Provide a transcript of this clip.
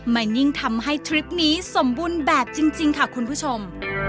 มันยิ่งทำให้ทริปนี้สมบูรณ์แบบจริงค่ะคุณผู้ชม